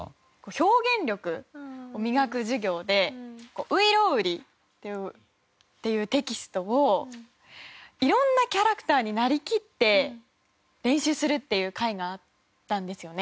表現力を磨く授業で『外郎売』っていうテキストを色んなキャラクターになりきって練習するっていう回があったんですよね。